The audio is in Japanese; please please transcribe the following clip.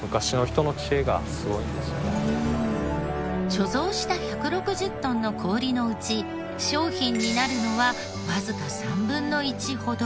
貯蔵した１６０トンの氷のうち商品になるのはわずか３分の１ほど。